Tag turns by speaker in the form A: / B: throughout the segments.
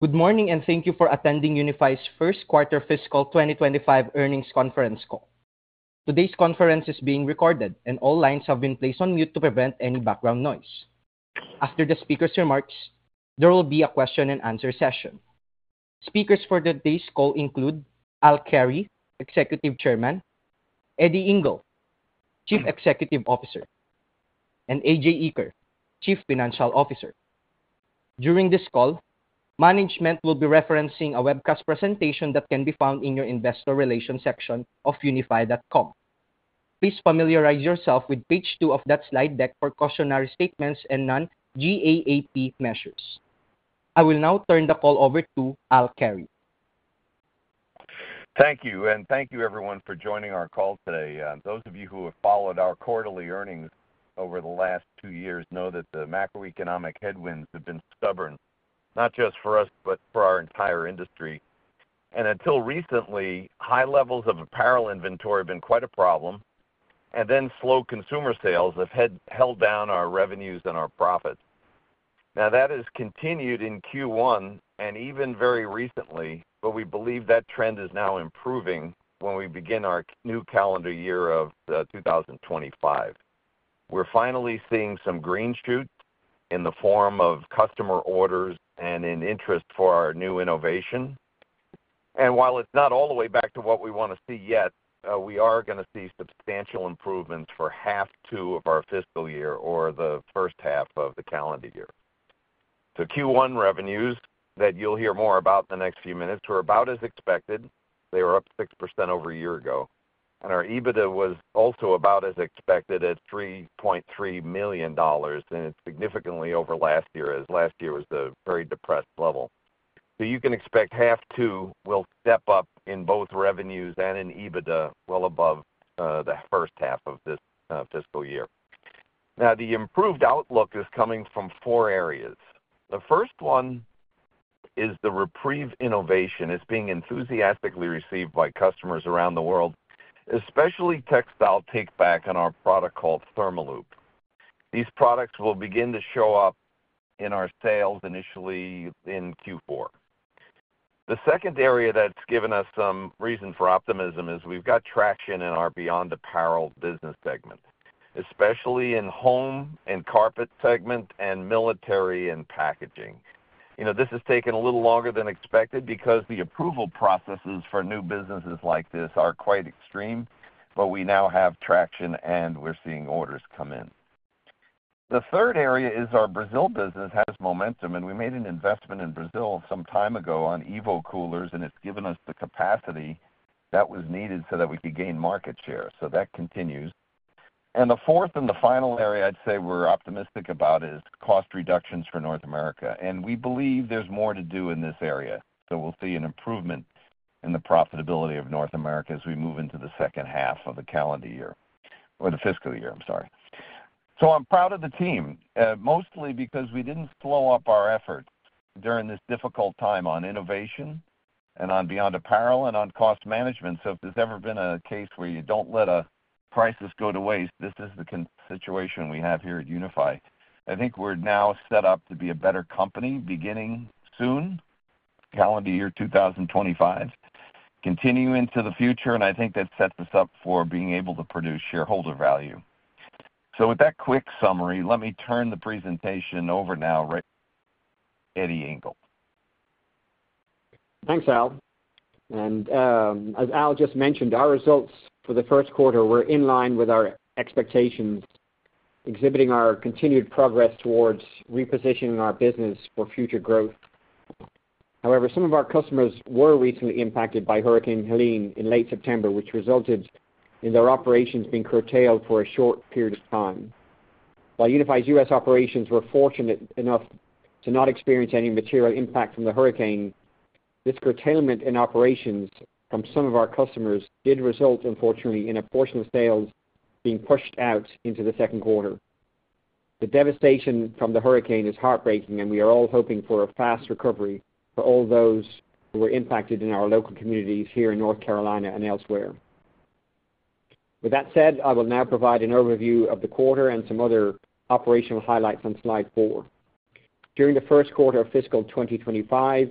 A: Good morning and thank you for attending Unifi's Q1 Fiscal 2025 earnings conference call. Today's conference is being recorded, and all lines have been placed on mute to prevent any background noise. After the speakers' remarks, there will be a question-and-answer session. Speakers for today's call include Al Carey, Executive Chairman; Eddie Ingle, Chief Executive Officer; and A.J. Eaker, Chief Financial Officer. During this call, management will be referencing a webcast presentation that can be found in your Investor Relations section of unifi.com. Please familiarize yourself with page 2 of that slide deck for cautionary statements and Non-GAAP measures. I will now turn the call over to Al Carey.
B: Thank you, and thank you everyone for joining our call today. Those of you who have followed our quarterly earnings over the last two years know that the macroeconomic headwinds have been stubborn, not just for us but for our entire industry. Until recently, high levels of apparel inventory have been quite a problem, and then slow consumer sales have held down our revenues and our profits. Now, that has continued in Q1 and even very recently, but we believe that trend is now improving when we begin our new calendar year of 2025. We're finally seeing some green shoots in the form of customer orders and an interest for our new innovation. While it's not all the way back to what we want to see yet, we are going to see substantial improvements for half two of our fiscal year, or the first half of the calendar year. Q1 revenues, that you'll hear more about in the next few minutes, were about as expected. They were up 6% over a year ago, and our EBITDA was also about as expected at $3.3 million, significantly over last year, as last year was a very depressed level. You can expect half two will step up in both revenues and in EBITDA well above the first half of this fiscal year. Now, the improved outlook is coming from four areas. The first one is the REPREVE innovation. It's being enthusiastically received by customers around the world, especially textile take-back on our product called ThermaLoop. These products will begin to show up in our sales initially in Q4. The second area that's given us some reason for optimism is we've got traction in our beyond apparel business segment, especially in home and carpet segment and military and packaging. This has taken a little longer than expected because the approval processes for new businesses like this are quite extreme, but we now have traction, and we're seeing orders come in. The third area is our Brazil business has momentum, and we made an investment in Brazil some time ago on Evo Colors, and it's given us the capacity that was needed so that we could gain market share. That continues. The fourth and the final area I'd say we're optimistic about is cost reductions for North America, and we believe there's more to do in this area. We'll see an improvement in the profitability of North America as we move into the second half of the calendar year, or the fiscal year, I'm sorry. I'm proud of the team, mostly because we didn't slow up our efforts during this difficult time on innovation, and on beyond apparel, and on cost management. If there's ever been a case where you don't let a crisis go to waste, this is the situation we have here at Unifi. I think we're now set up to be a better company beginning soon, calendar year 2025, continuing into the future, and I think that sets us up for being able to produce shareholder value. With that quick summary, let me turn the presentation over now right to Eddie Ingle.
A: Thanks, Al. As Al just mentioned, our results for the Q1 were in line with our expectations, exhibiting our continued progress towards repositioning our business for future growth. However, some of our customers were recently impacted by Hurricane Helene in late September, which resulted in their operations being curtailed for a short period of time. While Unifi's U.S. operations were fortunate enough to not experience any material impact from the hurricane, this curtailment in operations from some of our customers did result, unfortunately, in a portion of sales being pushed out into the second quarter. The devastation from the hurricane is heartbreaking, and we are all hoping for a fast recovery for all those who were impacted in our local communities here in North Carolina and elsewhere. With that said, I will now provide an overview of the quarter and some other operational highlights on slide 4. During the Q1 of fiscal 2025,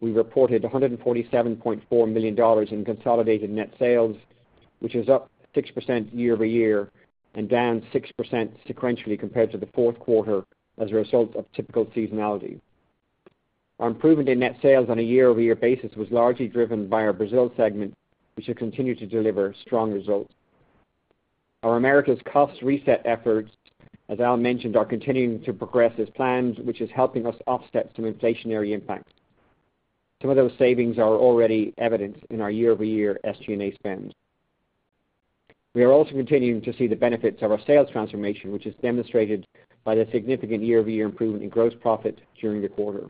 A: we reported $147.4 million in consolidated net sales, which is up 6% year over year and down 6% sequentially compared to the fourth quarter as a result of typical seasonality. Our improvement in net sales on a year-over-year basis was largely driven by our Brazil segment, which has continued to deliver strong results. Our Americas cost reset efforts, as Al mentioned, are continuing to progress as planned, which is helping us offset some inflationary impacts. Some of those savings are already evident in our year-over-year SG&A spend. We are also continuing to see the benefits of our sales transformation, which is demonstrated by the significant year-over-year improvement in gross profit during the quarter.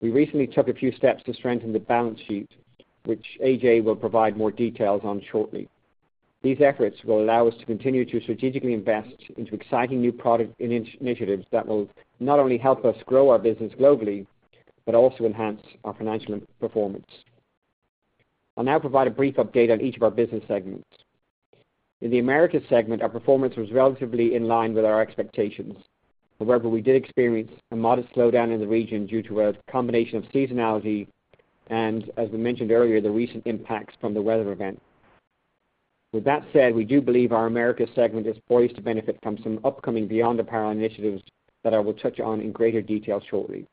A: We recently took a few steps to strengthen the balance sheet, which A.J. will provide more details on shortly. These efforts will allow us to continue to strategically invest into exciting new product initiatives that will not only help us grow our business globally but also enhance our financial performance. I'll now provide a brief update on each of our business segments. In the Americas segment, our performance was relatively in line with our expectations. However, we did experience a modest slowdown in the region due to a combination of seasonality and, as we mentioned earlier, the recent impacts from the weather event. With that said, we do believe our Americas segment is poised to benefit from some upcoming beyond apparel initiatives that I will touch on in greater detail shortly.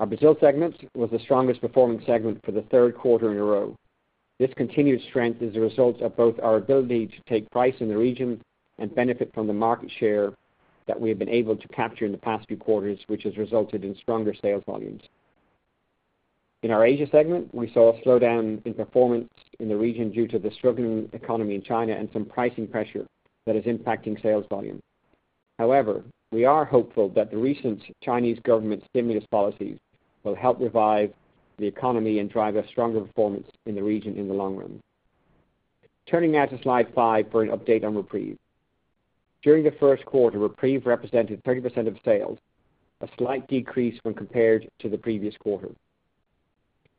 A: Our Brazil segment was the strongest performing segment for the third quarter in a row. This continued strength is the result of both our ability to take price in the region and benefit from the market share that we have been able to capture in the past few quarters, which has resulted in stronger sales volumes. In our Asia segment, we saw a slowdown in performance in the region due to the struggling economy in China and some pricing pressure that is impacting sales volume. However, we are hopeful that the recent Chinese government stimulus policies will help revive the economy and drive a stronger performance in the region in the long run. Turning now to slide 5 for an update on REPREVE. During the first quarter, REPREVE represented 30% of sales, a slight decrease when compared to the previous quarter.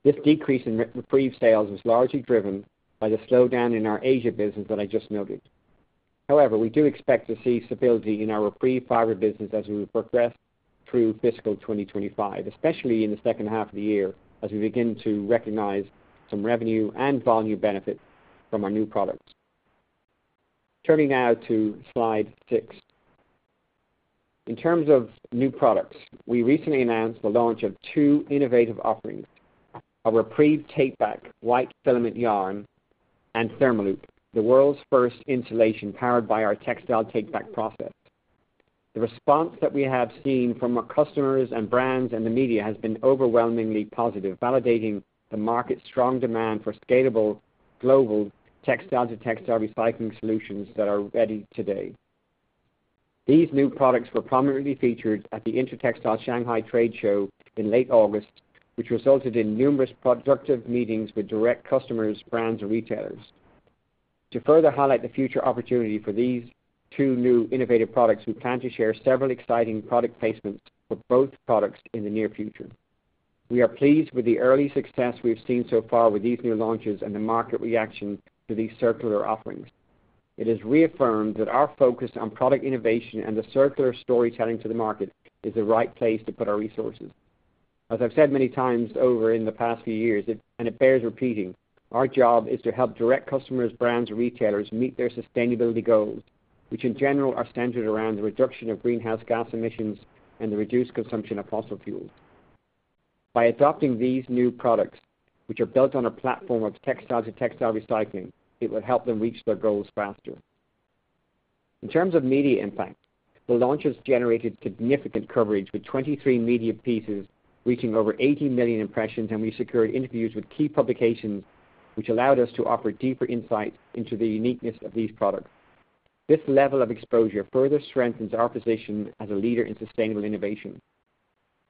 A: This decrease in REPREVE sales was largely driven by the slowdown in our Asia business that I just noted. However, we do expect to see stability in our REPREVE fiber business as we progress through fiscal 2025, especially in the second half of the year as we begin to recognize some revenue and volume benefits from our new products. Turning now to slide 6. In terms of new products, we recently announced the launch of two innovative offerings: a REPREVE Takeback white filament yarn and ThermaLoop, the world's first insulation powered by our textile take-back process. The response that we have seen from our customers and brands and the media has been overwhelmingly positive, validating the market's strong demand for scalable global textile-to-textile recycling solutions that are ready today. These new products were prominently featured at the Intertextile Shanghai Trade Show in late August, which resulted in numerous productive meetings with direct customers, brands, and retailers. To further highlight the future opportunity for these two new innovative products, we plan to share several exciting product placements for both products in the near future. We are pleased with the early success we've seen so far with these new launches and the market reaction to these circular offerings. It is reaffirmed that our focus on product innovation and the circular storytelling to the market is the right place to put our resources. As I've said many times over in the past few years, and it bears repeating, our job is to help direct customers, brands, and retailers meet their sustainability goals, which in general are centered around the reduction of greenhouse gas emissions and the reduced consumption of fossil fuels. By adopting these new products, which are built on a platform of textiles to textile recycling, it will help them reach their goals faster. In terms of media impact, the launch has generated significant coverage with 23 media pieces reaching over 80 million impressions, and we secured interviews with key publications, which allowed us to offer deeper insight into the uniqueness of these products. This level of exposure further strengthens our position as a leader in sustainable innovation.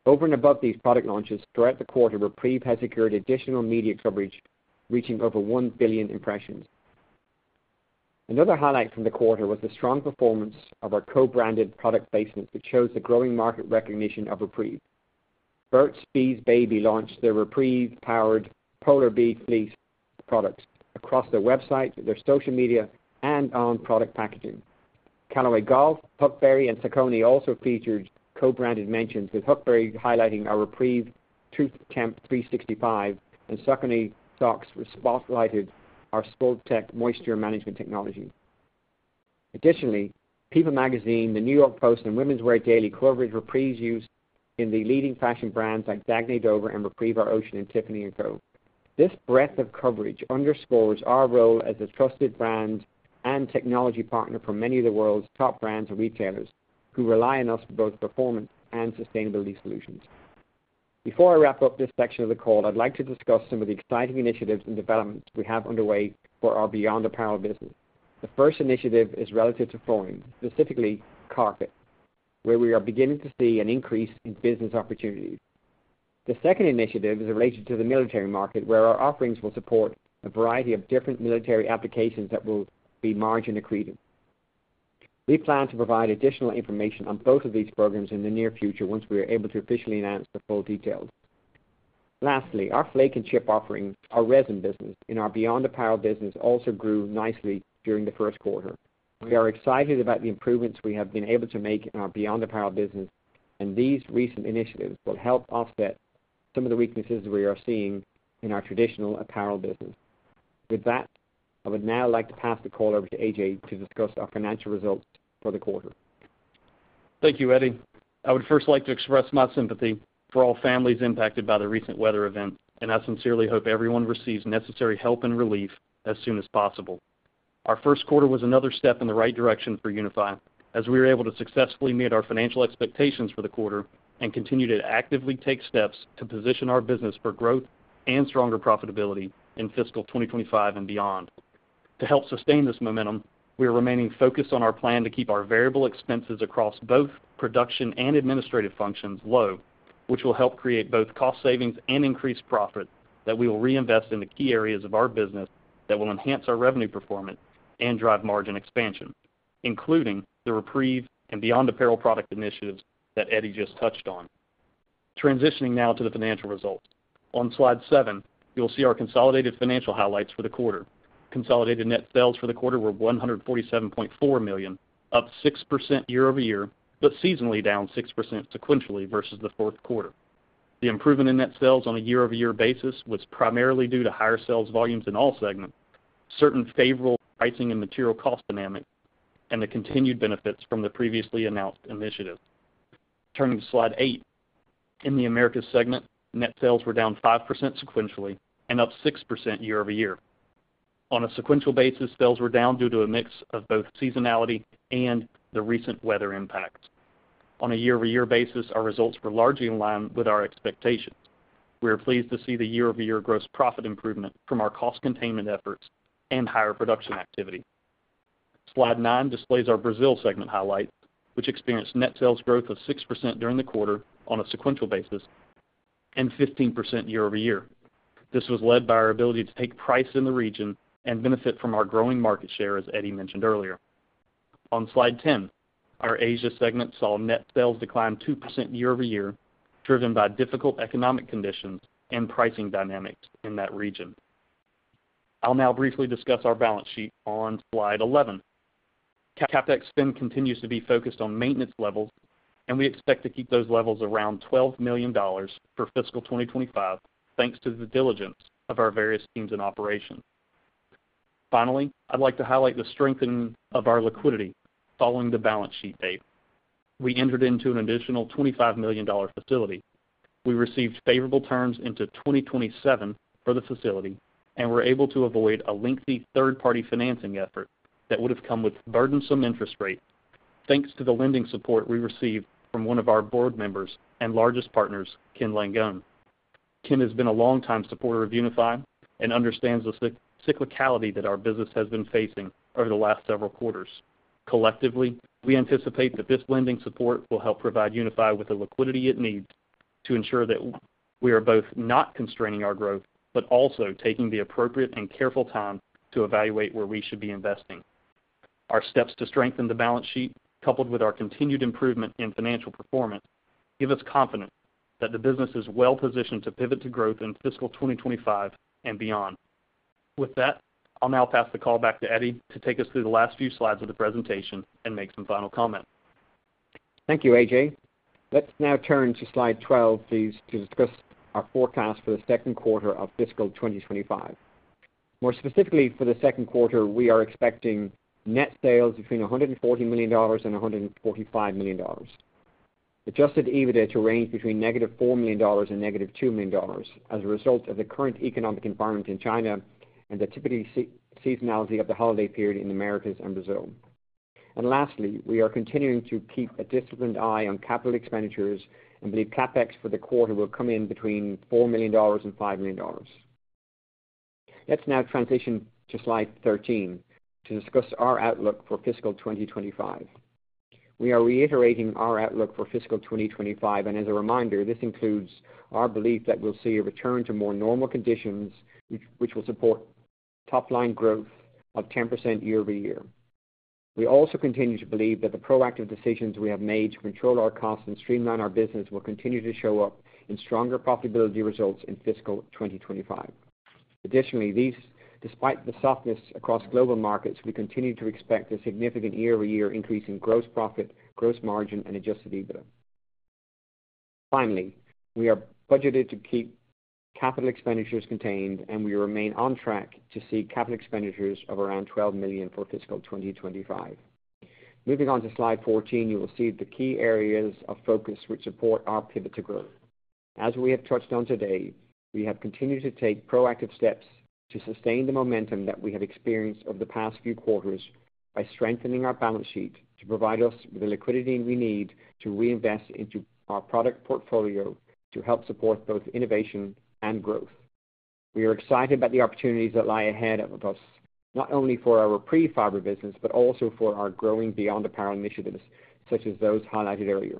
A: Over and above these product launches, throughout the quarter, REPREVE has secured additional media coverage, reaching over 1 billion impressions. Another highlight from the quarter was the strong performance of our co-branded product placements, which shows the growing market recognition of REPREVE. Burt's Bees Baby launched their REPREVE-powered Polar Bee Fleece products across their website, their social media, and on product packaging. Callaway Golf, Huckberry, and Saucony also featured co-branded mentions, with Huckberry highlighting our REPREVE TruTemp 365, and Saucony socks spotlighted our SORBTEK moisture management technology. Additionally, People Magazine, The New York Post, and Women's Wear Daily covered REPREVE use in the leading fashion brands like Dagny Dover and REPREVE Our Ocean and Tiffany & Co. This breadth of coverage underscores our role as a trusted brand and technology partner for many of the world's top brands and retailers who rely on us for both performance and sustainability solutions. Before I wrap up this section of the call, I'd like to discuss some of the exciting initiatives and developments we have underway for our beyond apparel business. The first initiative is relative to flooring, specifically carpet, where we are beginning to see an increase in business opportunities. The second initiative is related to the military market, where our offerings will support a variety of different military applications that will be margin accretive. We plan to provide additional information on both of these programs in the near future once we are able to officially announce the full details. Lastly, our flake and chip offering, our resin business in our beyond apparel business, also grew nicely during the first quarter. We are excited about the improvements we have been able to make in our beyond apparel business, and these recent initiatives will help offset some of the weaknesses we are seeing in our traditional apparel business. With that, I would now like to pass the call over to A.J. to discuss our financial results for the quarter.
C: Thank you, Eddie. I would first like to express my sympathy for all families impacted by the recent weather event, and I sincerely hope everyone receives necessary help and relief as soon as possible. Our Q1 was another step in the right direction for Unifi, as we were able to successfully meet our financial expectations for the quarter and continue to actively take steps to position our business for growth and stronger profitability in fiscal 2025 and beyond. To help sustain this momentum, we are remaining focused on our plan to keep our variable expenses across both production and administrative functions low, which will help create both cost savings and increased profit that we will reinvest in the key areas of our business that will enhance our revenue performance and drive margin expansion, including the REPREVE and beyond apparel product initiatives that Eddie just touched on. Transitioning now to the financial results. On slide 7, you'll see our consolidated financial highlights for the quarter. Consolidated net sales for the quarter were $147.4 million, up 6% year over year, but seasonally down 6% sequentially versus the Q4. The improvement in net sales on a year-over-year basis was primarily due to higher sales volumes in all segments, certain favorable pricing and material cost dynamics, and the continued benefits from the previously announced initiative. Turning to slide 8, in the Americas segment, net sales were down 5% sequentially and up 6% year over year. On a sequential basis, sales were down due to a mix of both seasonality and the recent weather impacts. On a year-over-year basis, our results were largely in line with our expectations. We are pleased to see the year-over-year gross profit improvement from our cost containment efforts and higher production activity. Slide 9 displays our Brazil segment highlights, which experienced net sales growth of 6% during the quarter on a sequential basis and 15% year over year. This was led by our ability to take price in the region and benefit from our growing market share, as Eddie mentioned earlier. On slide 10, our Asia segment saw net sales decline 2% year over year, driven by difficult economic conditions and pricing dynamics in that region. I'll now briefly discuss our balance sheet on slide 11. CapEx spend continues to be focused on maintenance levels, and we expect to keep those levels around $12 million for fiscal 2025, thanks to the diligence of our various teams in operation. Finally, I'd like to highlight the strengthening of our liquidity following the balance sheet date. We entered into an additional $25 million facility. We received favorable terms into 2027 for the facility and were able to avoid a lengthy third-party financing effort that would have come with burdensome interest rates, thanks to the lending support we received from one of our board members and largest partners, Ken Langone. Ken has been a longtime supporter of Unifi and understands the cyclicality that our business has been facing over the last several quarters. Collectively, we anticipate that this lending support will help provide Unifi with the liquidity it needs to ensure that we are both not constraining our growth but also taking the appropriate and careful time to evaluate where we should be investing. Our steps to strengthen the balance sheet, coupled with our continued improvement in financial performance, give us confidence that the business is well positioned to pivot to growth in fiscal 2025 and beyond. With that, I'll now pass the call back to Eddie to take us through the last few slides of the presentation and make some final comments.
A: Thank you A.J. Let's now turn to slide 12 please, to discuss our forecast for the second quarter of fiscal 2025. More specifically, for the second quarter, we are expecting net sales between $140 million and $145 million. Adjusted EBITDA to range between -$4 million and -$2 million as a result of the current economic environment in China and the typical seasonality of the holiday period in the Americas and Brazil, and lastly, we are continuing to keep a disciplined eye on capital expenditures and believe CapEx for the quarter will come in between $4 million and $5 million. Let's now transition to slide 13 to discuss our outlook for fiscal 2025. We are reiterating our outlook for fiscal 2025, and as a reminder, this includes our belief that we'll see a return to more normal conditions, which will support top-line growth of 10% year over year. We also continue to believe that the proactive decisions we have made to control our costs and streamline our business will continue to show up in stronger profitability results in fiscal 2025. Additionally, despite the softness across global markets, we continue to expect a significant year-over-year increase in gross profit, gross margin, and Adjusted EBITDA. Finally, we are budgeted to keep capital expenditures contained, and we remain on track to see capital expenditures of around $12 million for fiscal 2025. Moving on to slide 14, you will see the key areas of focus which support our pivot to growth. As we have touched on today, we have continued to take proactive steps to sustain the momentum that we have experienced over the past few quarters by strengthening our balance sheet to provide us with the liquidity we need to reinvest into our product portfolio to help support both innovation and growth. We are excited about the opportunities that lie ahead of us, not only for our REPREVE fiber business, but also for our growing beyond apparel initiatives, such as those highlighted earlier.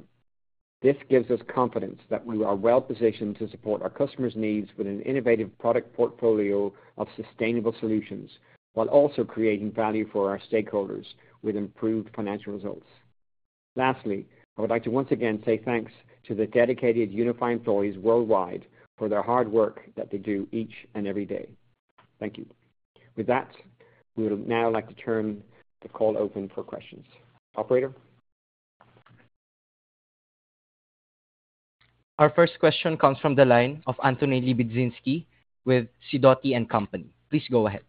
A: This gives us confidence that we are well positioned to support our customers' needs with an innovative product portfolio of sustainable solutions, while also creating value for our stakeholders with improved financial results. Lastly, I would like to once again say thanks to the dedicated Unifi employees worldwide for the hard work that they do each and every day. Thank you. With that, we would now like to turn the call open for questions. Operator.
D: Our first question comes from the line of Anthony Lebiedzinski with Sidoti & Company. Please go ahead.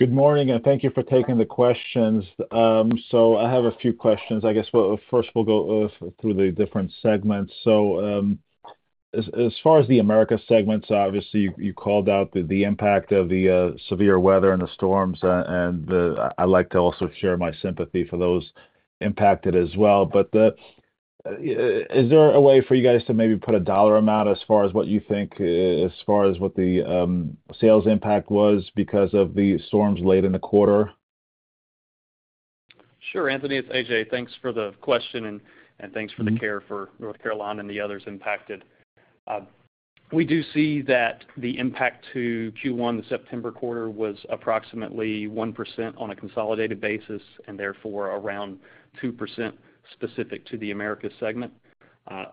E: Good morning, and thank you for taking the questions. So I have a few questions. I guess first we'll go through the different segments. So as far as the Americas segments, obviously you called out the impact of the severe weather and the storms, and I'd like to also share my sympathy for those impacted as well. But is there a way for you guys to maybe put a dollar amount as far as what you think, as far as what the sales impact was because of the storms late in the quarter?
C: Sure, Anthony. It's A.J. Thanks for the question, and thanks for the care for North Carolina and the others impacted. We do see that the impact to Q1, the September quarter, was approximately 1% on a consolidated basis, and therefore around 2% specific to the Americas segment.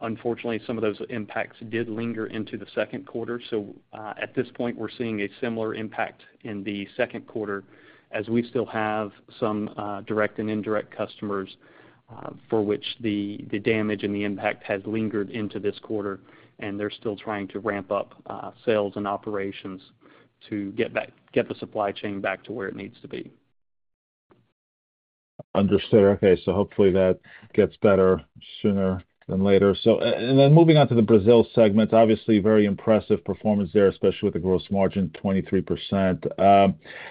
C: Unfortunately, some of those impacts did linger into the second quarter. So at this point, we're seeing a similar impact in the second quarter, as we still have some direct and indirect customers for which the damage and the impact has lingered into this quarter, and they're still trying to ramp up sales and operations to get the supply chain back to where it needs to be.
E: Understood. Okay. So hopefully that gets better sooner than later. So then moving on to the Brazil segment, obviously very impressive performance there, especially with the gross margin, 23%.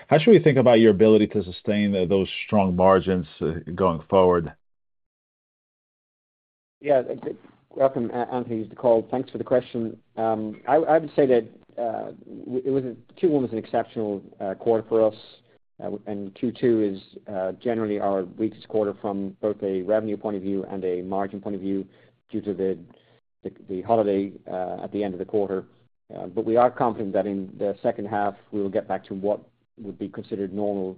E: How should we think about your ability to sustain those strong margins going forward?
A: Yeah. Welcome, Anthony, to the call. Thanks for the question. I would say that Q1 was an exceptional quarter for us, and Q2 is generally our weakest quarter from both a revenue point of view and a margin point of view due to the holiday at the end of the quarter, but we are confident that in the second half, we will get back to what would be considered normal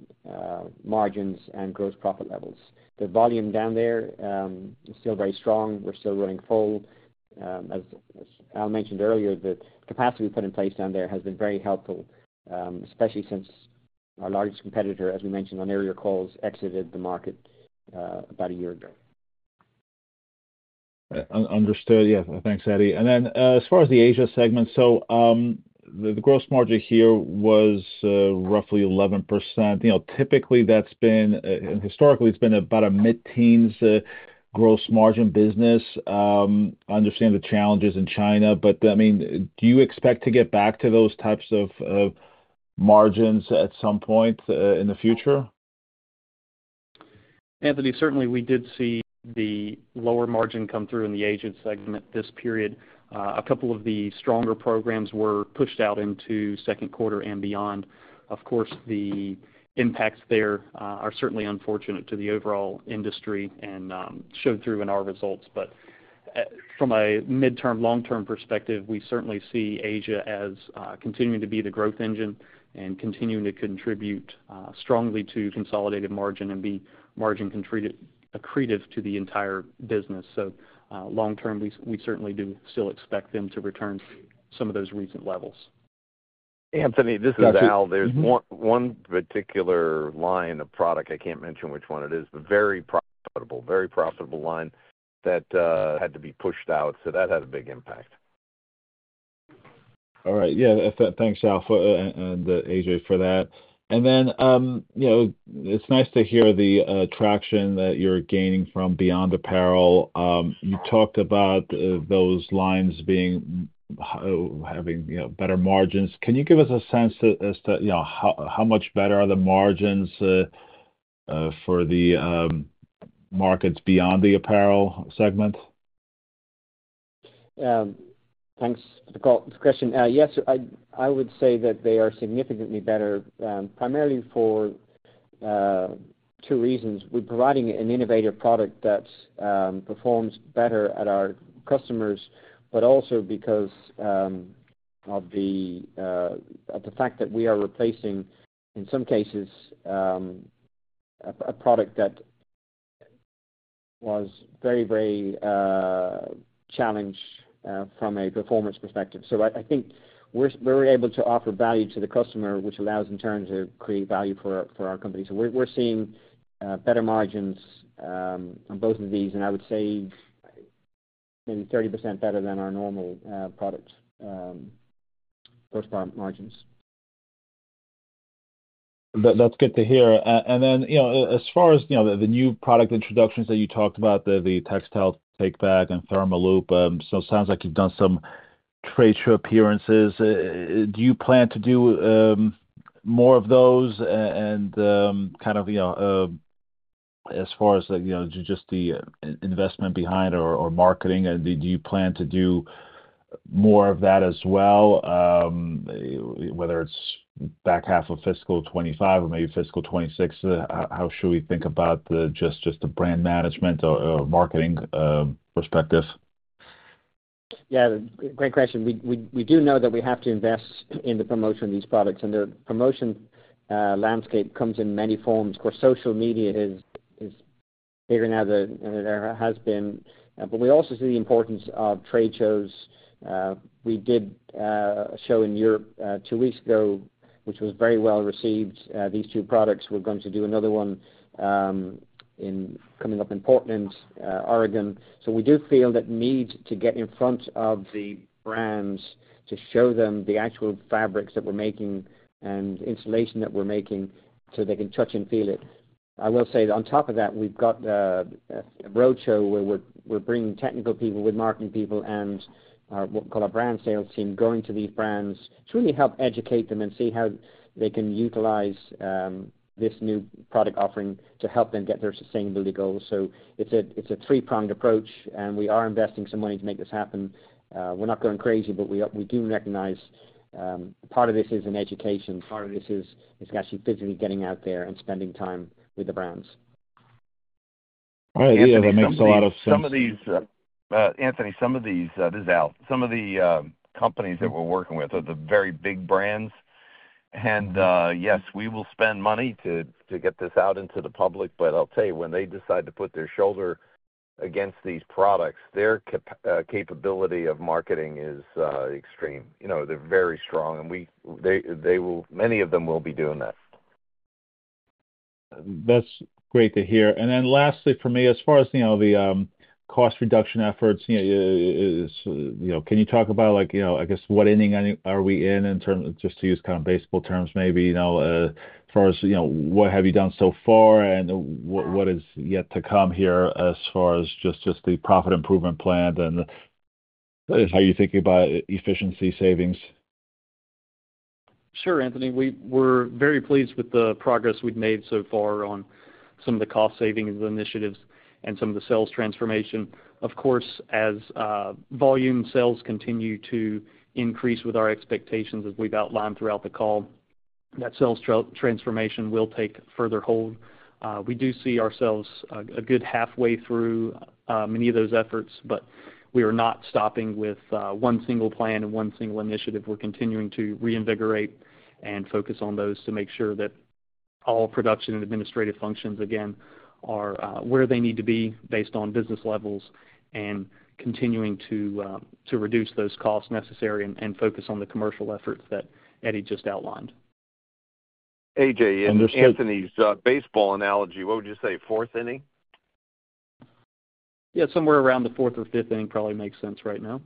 A: margins and gross profit levels. The volume down there is still very strong. We're still running full. As Al mentioned earlier, the capacity we put in place down there has been very helpful, especially since our largest competitor, as we mentioned on earlier calls, exited the market about a year ago.
E: Understood. Yeah. Thanks, Eddie. And then as far as the Asia segment, so the gross margin here was roughly 11%. Typically, that's been, and historically, it's been about a mid-teens gross margin business. I understand the challenges in China, but I mean, do you expect to get back to those types of margins at some point in the future?
C: Anthony, certainly we did see the lower margin come through in the Asia segment this period. A couple of the stronger programs were pushed out into second quarter and beyond. Of course, the impacts there are certainly unfortunate to the overall industry and showed through in our results. But from a midterm, long-term perspective, we certainly see Asia as continuing to be the growth engine and continuing to contribute strongly to consolidated margin and be margin accretive to the entire business. So long-term, we certainly do still expect them to return some of those recent levels.
B: Anthony, this is Al. There's one particular line of product, I can't mention which one it is, but very profitable, very profitable line that had to be pushed out, so that had a big impact.
E: All right. Yeah. Thanks, Al and AJ, for that. And then it's nice to hear the traction that you're gaining from beyond apparel. You talked about those lines having better margins. Can you give us a sense as to how much better are the margins for the markets beyond the apparel segment?
A: Thanks for the question. Yes, I would say that they are significantly better, primarily for two reasons. We're providing an innovative product that performs better at our customers, but also because of the fact that we are replacing, in some cases, a product that was very, very challenged from a performance perspective. So I think we're able to offer value to the customer, which allows in turn to create value for our company. So we're seeing better margins on both of these, and I would say maybe 30% better than our normal product first-time margins.
E: That's good to hear. And then as far as the new product introductions that you talked about, the textile take-back and ThermoLoop, so it sounds like you've done some trade show appearances. Do you plan to do more of those? And kind of as far as just the investment behind or marketing, do you plan to do more of that as well, whether it's back half of fiscal 2025 or maybe fiscal 2026? How should we think about just the brand management or marketing perspective?
A: Yeah. Great question. We do know that we have to invest in the promotion of these products, and the promotion landscape comes in many forms. Of course, social media is bigger now than there has been, but we also see the importance of trade shows. We did a show in Europe two weeks ago, which was very well received. These two products were going to do another one coming up in Portland, Oregon. So we do feel that need to get in front of the brands to show them the actual fabrics that we're making and installation that we're making so they can touch and feel it. I will say that on top of that, we've got a roadshow where we're bringing technical people with marketing people and what we call our brand sales team going to these brands to really help educate them and see how they can utilize this new product offering to help them get their sustainability goals. So it's a three-pronged approach, and we are investing some money to make this happen. We're not going crazy, but we do recognize part of this is in education. Part of this is actually physically getting out there and spending time with the brands.
E: All right. Yeah. That makes a lot of sense.
B: Anthony, some of these, this is Al, some of the companies that we're working with are the very big brands, and yes, we will spend money to get this out into the public, but I'll tell you, when they decide to put their shoulder against these products, their capability of marketing is extreme. They're very strong, and many of them will be doing that.
E: That's great to hear. And then lastly, for me, as far as the cost reduction efforts, can you talk about, I guess, what inning are we in in terms of just to use kind of baseball terms maybe? As far as what have you done so far and what is yet to come here as far as just the profit improvement plan and how you're thinking about efficiency savings?
C: Sure, Anthony. We're very pleased with the progress we've made so far on some of the cost savings initiatives and some of the sales transformation. Of course, as volume sales continue to increase with our expectations, as we've outlined throughout the call, that sales transformation will take further hold. We do see ourselves a good halfway through many of those efforts, but we are not stopping with one single plan and one single initiative. We're continuing to reinvigorate and focus on those to make sure that all production and administrative functions, again, are where they need to be based on business levels and continuing to reduce those costs necessary and focus on the commercial efforts that Eddie just outlined.
B: A.J., Anthony's baseball analogy, what would you say? Fourth inning?
C: Yeah. Somewhere around the fourth or fifth inning probably makes sense right now.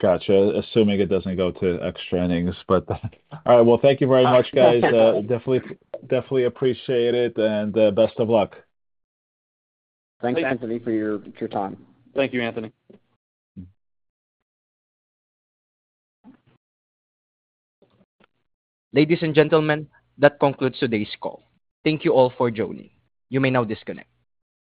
E: Gotcha. Assuming it doesn't go to extra innings, but all right. Well, thank you very much, guys. Definitely appreciate it, and best of luck.
A: Thanks, Anthony, for your time.
C: Thank you, Anthony.
D: Ladies and gentlemen, that concludes today's call. Thank you all for joining. You may now disconnect.